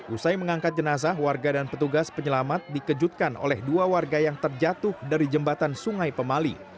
usai mengangkat jenazah warga dan petugas penyelamat dikejutkan oleh dua warga yang terjatuh dari jembatan sungai pemali